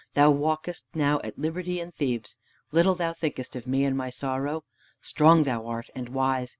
Thou walkest now at liberty in Thebes. Little thou thinkest of me and of my sorrow! Strong thou art, and wise.